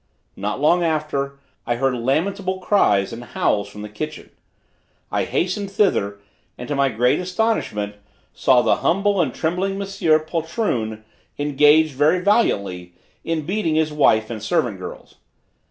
Not long after, I heard lamentable cries and howls in the kitchen. I hastened thither, and to my great astonishment, saw the humble and trembling Monsieur poltroon engaged, very valiantly, in beating his wife and servant girls.